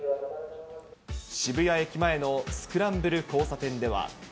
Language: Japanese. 渋谷駅前のスクランブル交差点では。